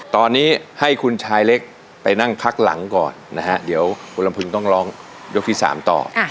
ตอนนี้ให้คุณชายเล็กไปนั่งพักหลังก่อนนะฮะเดี๋ยวคุณลำพึงต้องร้องยกที่๓ต่อ